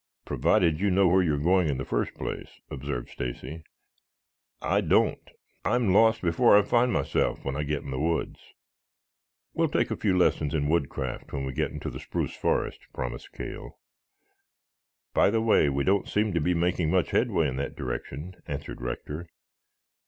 "Provided you know where you are going in the first place," observed Stacy. "I don't. I'm lost before I find myself when I get in the woods." "We will take a few lessons in woodcraft when we get into the spruce forest," promised Cale. "By the way, we don't seem to be making much headway in that direction," answered Rector.